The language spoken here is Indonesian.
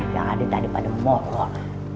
jangan ada tadi pada mongol